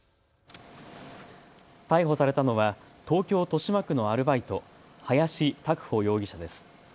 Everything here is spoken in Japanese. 逮捕されたのは東京豊島区のアルバイト、林沢凡容疑者です。